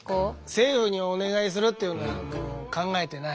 政府にお願いするっていうのは考えてないわ。